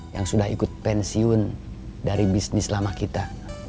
yang sudah ikut pensiun dari bisnis lama kita